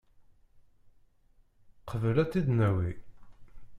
Qabel ad tt-id-nawi.